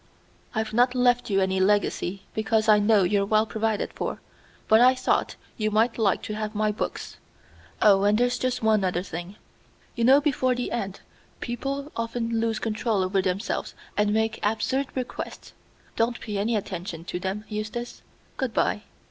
I've not left you any legacy, because I know you're well provided for, but I thought you might like to have my books. Oh, and there's just one other thing. You know, before the end people often lose control over themselves and make absurd requests. Don't pay any attention to them, Eustace. Good by!"